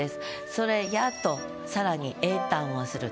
それ「や」と更に詠嘆をすると。